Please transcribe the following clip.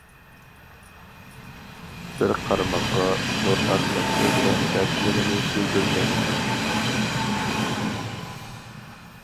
بىر قارىماققا، نۇرئەخمەت ئۆزىنىڭ دەردلىرىنى بىلدۈرگەن.